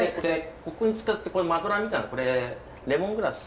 ここにつけてるマドラーみたいなこれレモングラス。